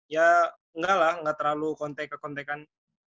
ya enggak lah enggak terlalu kontek kontekan